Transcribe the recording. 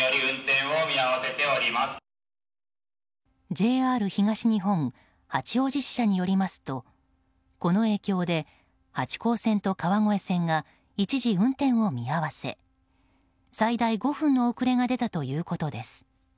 ＪＲ東日本八王子支社によりますとこの影響で八高線と川越線が一時、運転を見合わせ最大５分の遅れが出たということです。